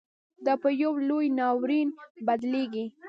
دا پـه يـو لـوى نـاوريـن بـدليږي.